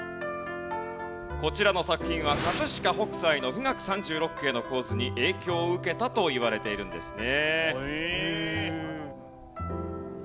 こちらの作品は飾北斎の『富嶽三十六景』の構図に影響を受けたといわれているんですね。